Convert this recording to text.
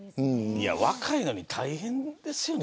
若いのに大変ですよね。